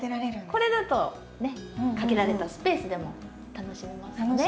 これだとねっ限られたスペースでも楽しめますので。